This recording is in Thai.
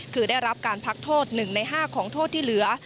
คือได้รับการพักโทษ๑ใน๕ของโทษที่เหลือ